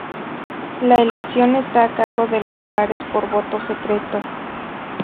La elección está a cargo de los pares por voto secreto.